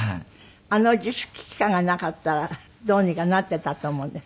あの自粛期間がなかったらどうにかなっていたと思うんですって？